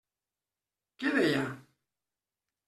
Què deia?